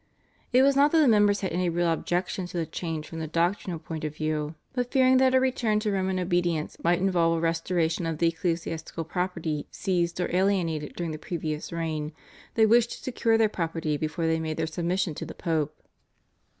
It was not that the members had any real objection to the change from the doctrinal point of view, but, fearing that a return to Roman obedience might involve a restoration of the ecclesiastical property seized or alienated during the previous reign, they wished to secure their property before they made their submission to the Pope.